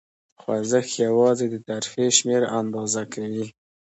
خوځښت یواځې د ترفیع شمېر آندازه کوي.